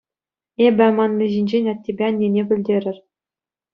Эпӗ аманни ҫинчен аттепе аннене пӗлтерӗр.